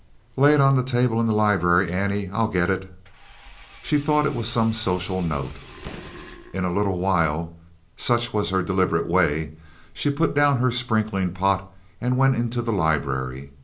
"Lay it on the table in the library, Annie. I'll get it." She thought it was some social note. In a little while (such was her deliberate way), she put down her sprinkling pot and went into the library.